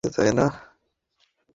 ঠিক আছে, তাই না?